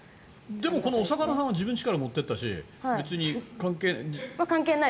でもお魚は自分の家から持って行ったし別に関係ない。